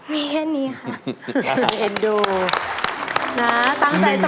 มีแค่นี้ค่ะเอ็นดูนะตั้งใจสมัครมาเลยนะครับ